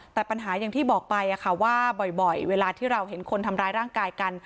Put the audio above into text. แต่ปัญหาอย่างที่บอกไปว่าบ่อยเวลาที่เราเห็นคนทำร้ายร่างกายกัน